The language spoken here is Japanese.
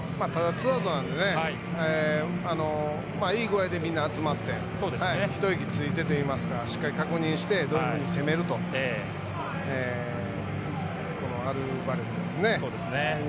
２アウトなんでね、いい具合でみんな集まって、ひと息ついてといいますか、しっかり確認して、どういうふうに攻めると、アルバレスですね。